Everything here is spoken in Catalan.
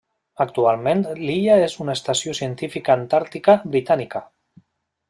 Actualment l'illa és una estació científica antàrtica britànica.